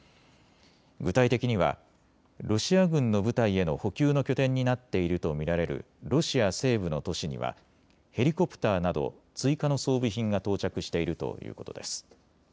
具体的にはロシア軍の部隊への補給の拠点になっていると見られるロシア西部の都市にはヘリコプターなど追加の装備品が到着しているということです。